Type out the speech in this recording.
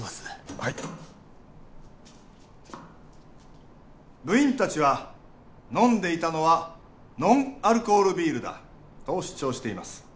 はい部員達は飲んでいたのはノンアルコールビールだと主張しています